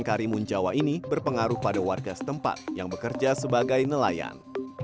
di mana tempat yang bekerja sebagai nelayan